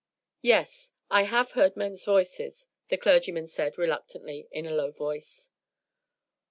"Yes, I have heard men's voices," the clergyman said reluctantly, in a low voice.